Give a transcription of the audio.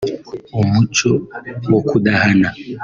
umuco wo kudahana